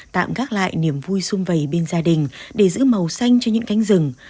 tạm gác lại niềm vui xung vầy bên gia đình để giữ màu xanh cho những cánh rừng